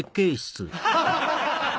ハハハハ。